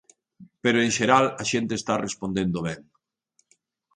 Pero en xeral a xente está respondendo ben.